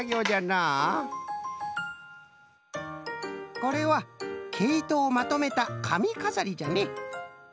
これはけいとをまとめたかみかざりじゃね。